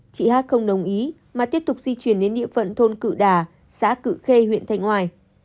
chị hát không đồng ý mà tiếp tục di chuyển đến địa phận thôn cự đà xã cự khê huyện thanh hoài